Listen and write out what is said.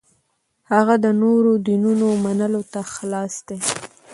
هغه د نورو دینونو منلو ته خلاص دی.